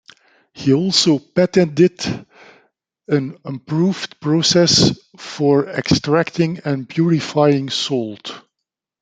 He also patented an improved process for extracting and purifying salt.